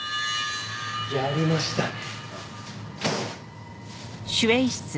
やりましたね。